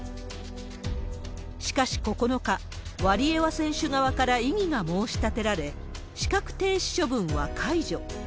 しかし９日、ワリエワ選手側から異議が申し立てられ、資格停止処分は解除。